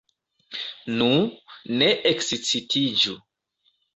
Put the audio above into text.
Nu, ne ekscitiĝu!